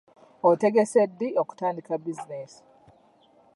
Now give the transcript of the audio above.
Otegese ddi okutandika bizinensi?